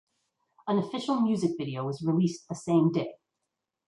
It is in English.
An official music video was released the same day.